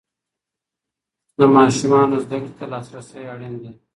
د ماشومانو زده کړې ته لاسرسی اړین دی.